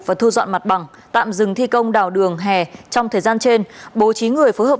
và thu dọn mặt bằng tạm dừng thi công đào đường hè trong thời gian trên bố trí người phối hợp